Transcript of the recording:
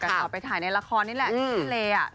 แต่ข่าวไปถ่ายในละครนี่แหละที่ทะเล